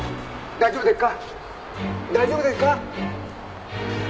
大丈夫でっか？